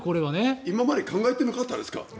今まで考えてなかったですか？